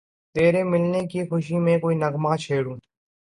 تیرے ملنے کی خوشی میں کوئی نغمہ چھیڑوں